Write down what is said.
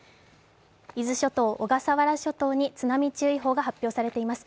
伊豆諸島、小笠原諸島に津波注意報が発表されています。